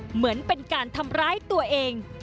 เหมือนเป็นการทำร้ายตัวเอง